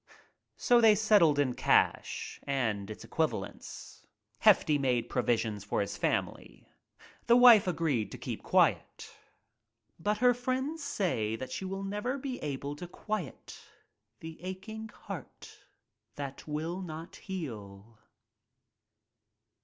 So they settled in cash and its equivalents. Hefty made provision for his family. The wife aj to keep quiet — but her friends say that she will never be able to quiet the aching heart that will not heal.